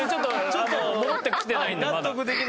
ちょっと戻ってきてないんでまだ。